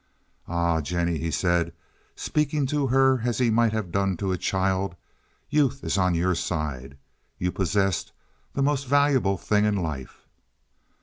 "Ah, Jennie," he said, speaking to her as he might have done to a child, "youth is on your side. You possess the most valuable thing in life."